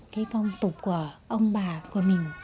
cái phong tục của ông bà của mình